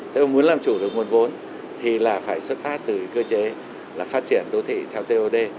thế ông muốn làm chủ được nguồn vốn thì là phải xuất phát từ cơ chế là phát triển đô thị theo tod